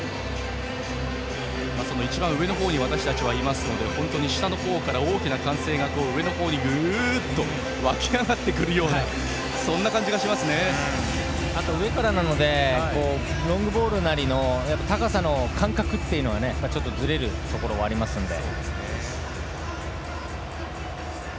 その一番上の方に私たちはいますので本当に下のほうから大きな歓声が上に湧き上がってくるようなあと、上からなのでロングボールなりの高さの感覚というのがずれるところはありますので。